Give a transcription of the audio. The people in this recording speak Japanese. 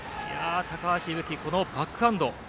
高橋歩希、バックハンド。